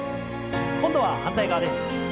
今度は反対側です。